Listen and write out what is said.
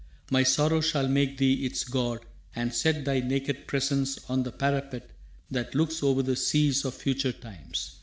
My sorrow shall make thee its god, and set Thy naked presence on the parapet That looks over the seas of future times.